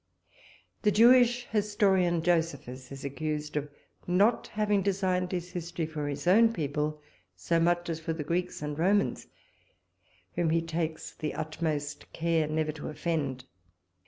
The Jewish historian, Josephus, is accused of not having designed his history for his own people so much as for the Greeks and Romans, whom he takes the utmost care never to offend.